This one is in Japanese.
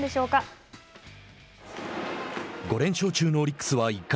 ５連勝中のオリックスは１回。